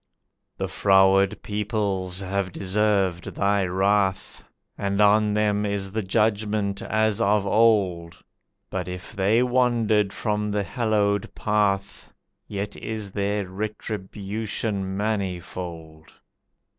"The froward peoples have deserved Thy wrath, And on them is the Judgment as of old, But if they wandered from the hallowed path Yet is their retribution manifold.